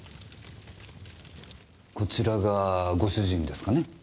こちらがご主人ですかね？